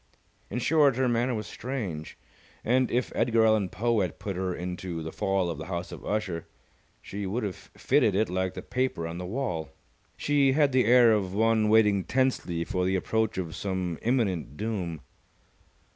In short her manner was strange, and, if Edgar Allen Poe had put her into "The Fall Of the House of Usher", she would have fitted it like the paper on the wall. She had the air of one waiting tensely for the approach of some imminent doom.